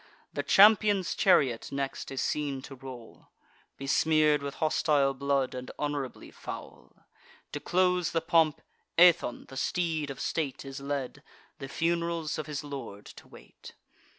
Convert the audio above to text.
The champion's chariot next is seen to roll, Besmear'd with hostile blood, and honourably foul. To close the pomp, Aethon, the steed of state, Is led, the fun'rals of his lord to wait.